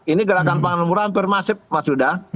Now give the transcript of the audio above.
ini gerakan pangan murah hampir masif mas huda